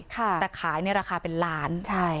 แต่ขายในราคาเป็นล้านใช่